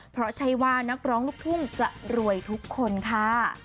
เพราะใช่ว่านักร้องลูกทุ่งจะรวยทุกคนค่ะ